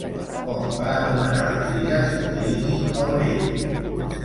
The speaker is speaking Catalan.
Com va anomenar les illes Plini el Vell?